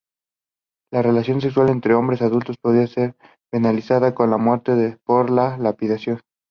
La relación sexual entre hombres adultos podía ser penalizada con la muerte por lapidación.